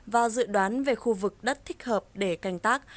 và dự đoán về khu vực đất thích hợp để canh tác